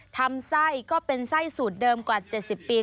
ทำไส้ก็เป็นไส้สูตรเดิมกว่า๗๐ปี